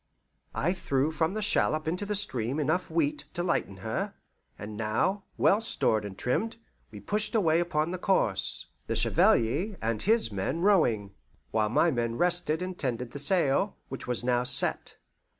I threw from the shallop into the stream enough wheat to lighten her, and now, well stored and trimmed, we pushed away upon our course, the Chevalier and his men rowing, while my men rested and tended the sail, which was now set.